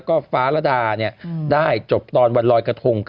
๑๑คือวันรอยกระทง